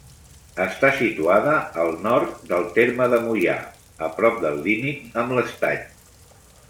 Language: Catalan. Està situada al nord del terme de Moià, a prop del límit amb l'Estany.